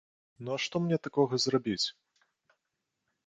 Ну, а што мне такога зрабіць?